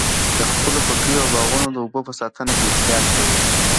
د خپلو پټیو او باغونو د اوبو په ساتنه کې احتیاط کوئ.